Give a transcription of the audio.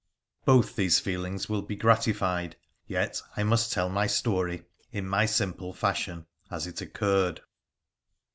Both these feelings will be gratified, yet I must tell my story, in my simple fashion, as it occurred.